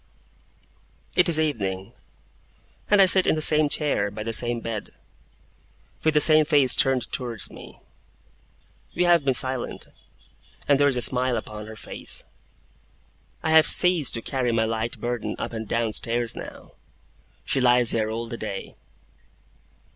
It is evening; and I sit in the same chair, by the same bed, with the same face turned towards me. We have been silent, and there is a smile upon her face. I have ceased to carry my light burden up and down stairs now. She lies here all the day.